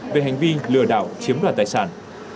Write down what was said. về hành vi lừa đảo chiếm đoạt tài sản